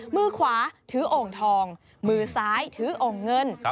มือขวาถือองค์ทองมือซ้ายถือองค์เงิน